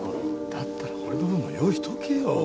だったら俺の分も用意しておけよ。